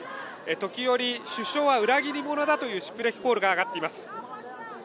時折、首相は裏切り者だというシュプレヒコールが上がっています。